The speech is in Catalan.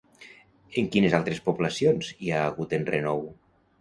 En quines altres poblacions hi ha hagut enrenou?